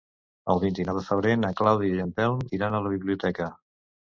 El vint-i-nou de febrer na Clàudia i en Telm iran a la biblioteca.